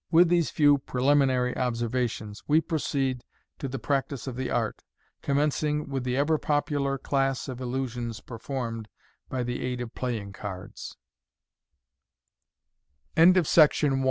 With these few preliminary observations, we proceed to the prac tice of the art, commencing wim the ever popular class of illusion t performed by the aid of playing car